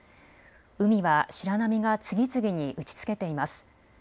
海は白波が次々に打ちつけています。